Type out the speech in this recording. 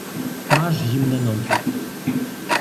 Masz zimne nogi.